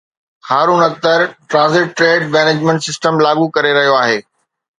Haroon Akhtar transit trade management system لاڳو ڪري رهيو آهي